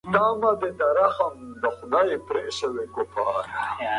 خلفای راشدین د رسول الله ص د مذهب او تګلارې رښتیني وارثان وو.